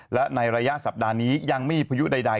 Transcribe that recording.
และในระยะสัปดาห์นี้ยังไม่มีพายุใด